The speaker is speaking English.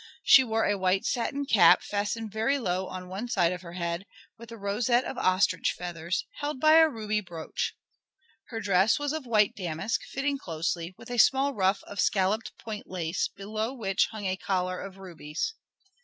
She wore a white satin cap, fastened very low on one side of her head, with a rosette of ostrich feathers, held by a ruby brooch. Her dress was of white damask, fitting closely, with a small ruff of scalloped point lace, below which hung a collar of rubies.